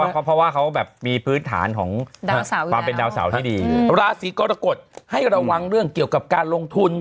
เพราะว่าเขาแบบมีพื้นฐานของความเป็นดาวเสาร์ที่ดีราศีกรกฎให้ระวังเรื่องเกี่ยวกับการลงทุน